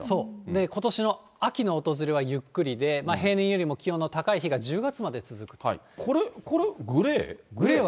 で、ことしの秋の訪れはゆっくりで、平年よりも気温の高い日が１０月これ、グレー？